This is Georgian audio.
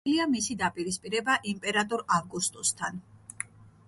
ცნობილია მისი დაპირისპირება იმპერატორ ავგუსტუსთან.